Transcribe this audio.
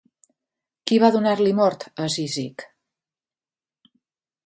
Qui va donar-li mort a Cízic?